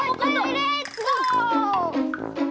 レッツゴー！